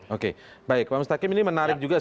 oke baik pak mustaqim ini menarik juga